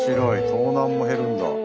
盗難も減るんだ。